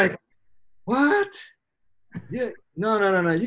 dia tidak tidak tidak